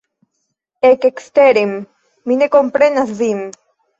Ekeksteren! Mi ne komprenas vin